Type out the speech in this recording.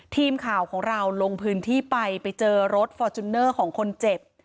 ทีมข่าวของเราลงพื้นที่ไปไปเจอรถฟอร์จูเนอร์ของคนเจ็บ